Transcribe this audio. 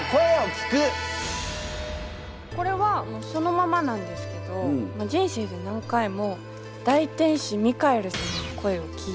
これはもうそのままなんですけど人生で何回も大天使ミカエル様の声を聞いているんです。